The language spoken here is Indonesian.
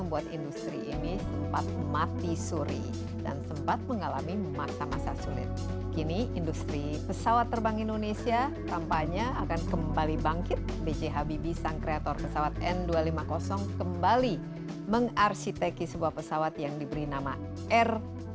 balik bangkit bj habibie sang kreator pesawat n dua ratus lima puluh kembali mengarsiteki sebuah pesawat yang diberi nama r delapan puluh